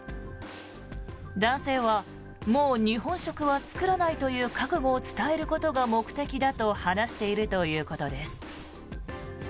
男性はもう日本食は作らないという覚悟を伝えることが目的だと話しているということです。